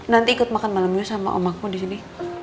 nanti ikut makan malamnya sama omakmu di sini